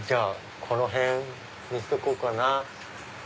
この辺にしとこうかな。